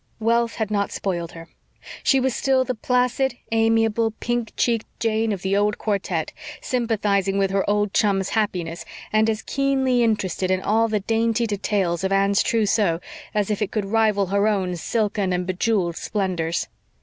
Wealth had not spoiled her. She was still the placid, amiable, pink cheeked Jane of the old quartette, sympathising with her old chum's happiness and as keenly interested in all the dainty details of Anne's trousseau as if it could rival her own silken and bejewelled splendors.